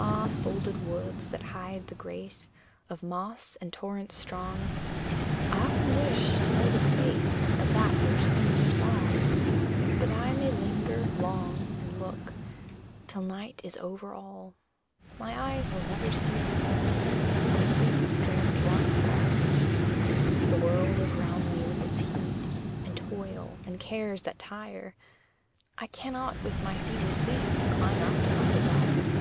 Ah, folded woods, that hide the grace Of moss and torrents strong, I often wish to know the face Of that which sings your song! But I may linger, long, and look Till night is over all: My eyes will never see the brook, Or sweet, strange waterfall. The world is round me with its heat, And toil, and cares that tire; I cannot with my feeble feet Climb after my desire.